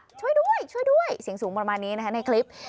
ช่วยด้วยช่วยด้วยเสียงสูงประมาณนี้นะคะในคลิป